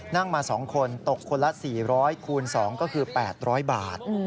นั่งมา๒คนตกคนละ๔๐๐คูณ๒ก็คือ๘๐๐บาท